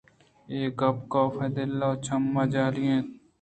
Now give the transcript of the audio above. اے گپ کاف ءِ دل ءَ چم جہلی اِت اَنت